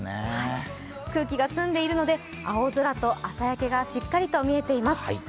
空気が澄んでいるので青空と朝焼けがしっかりと見えています。